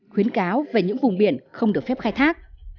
khuyến cáo về những vùng biển không được phép khai thác